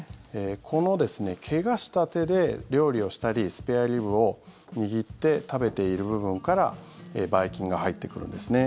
この怪我した手で料理をしたりスペアリブを握って食べている部分からばい菌が入ってくるんですね。